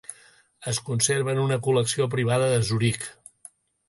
Es conserva en una col·lecció privada de Zuric.